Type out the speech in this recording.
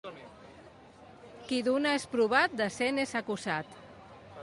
Qui d'una és provat, de cent és acusat.